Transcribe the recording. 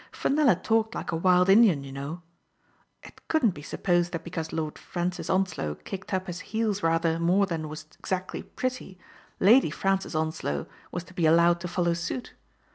" Fenella talked like a wild Indian, you know. It couldn't be supposed that because Lord Fran cis Onslow kicked up his heels rather more than was exactly pretty. Lady Francis Onslow was to be allowed to follow suit.